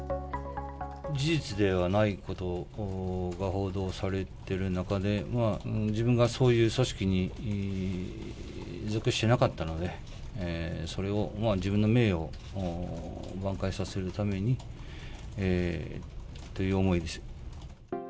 事実ではないことが報道されてる中で、自分がそういう組織に属してなかったので、それを、自分の名誉を挽回させるためにという思いです。